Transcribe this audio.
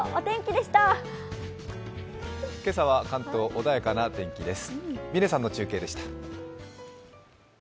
今朝は関東穏やかな天気です。